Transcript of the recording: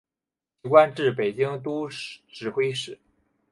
其官至北京都指挥使。